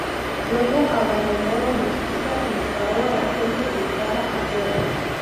Luego abandonó la mezquita y disparó a la gente que estaba afuera.